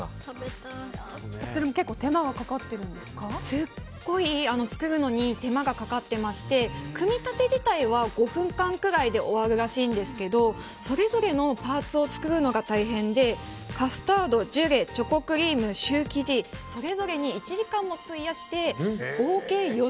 こちらの結構すごい作るのに手間がかかっていまして組み立て自体は５分間ぐらいで終わるらしいんですがそれぞれのパーツを作るのが大変でカスタード、ジュレチョコレートクリームシュー生地、それぞれに１時間も費やしてうまっ！